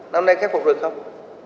năm nay khắc phục rồi không